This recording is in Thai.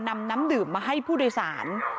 นำน้ำดื่มมาให้ผู้โดยสาร